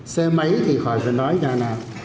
xe máy thì khỏi phải nói nhà nào